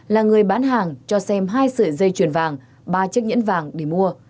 là người bán hàng cho xem hai sợi dây chuyền vàng ba chiếc nhẫn vàng để mua